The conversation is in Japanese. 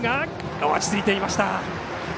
落ち着いていました。